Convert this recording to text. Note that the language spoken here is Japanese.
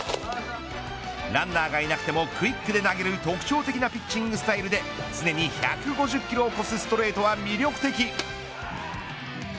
ランナーがいなくてもクイックで投げる特徴的なピッチングスタイルで常に１５０キロを超すストレートは魅力的。